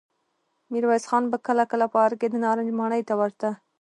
ميرويس خان به کله کله په ارګ کې د نارنج ماڼۍ ته ورته.